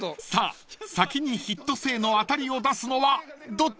［さあ先にヒット性の当たりを出すのはどっちだ？］